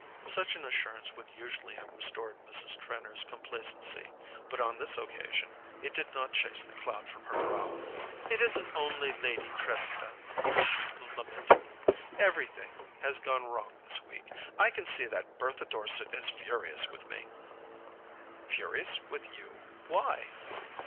Such an assurance would usually have restored Mrs. Trenor's complacency; but on this occasion it did not chase the cloud from her brow. "It isn't only Lady Cressida," she lamented. "Everything has gone wrong this week. I can see that Bertha Dorset is furious with me." "Furious with you? Why?"